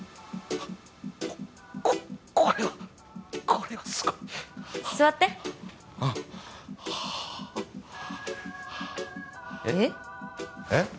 こっこっこれはこれはすごい座ってああえっえっ？